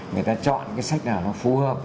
người ta chọn cái sách nào nó phù hợp